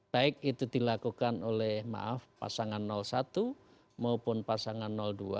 baik itu dilakukan oleh maaf pasangan satu maupun pasangan dua